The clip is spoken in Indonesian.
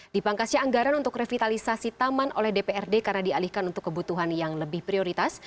dipangkasnya anggaran untuk revitalisasi taman oleh dprd karena dialihkan untuk kebutuhan yang lebih prioritas